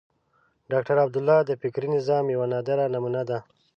ډاکټر عبدالله د فکري نظام یوه نادره نمونه ده.